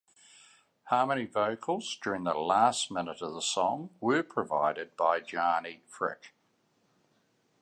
Harmony vocals during the last minute of the song were provided by Janie Fricke.